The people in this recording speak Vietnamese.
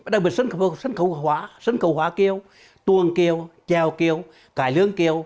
đặc biệt sân khẩu hóa kiều tuần kiều treo kiều cải lương kiều